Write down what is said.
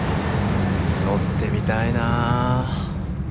乗ってみたいなあ。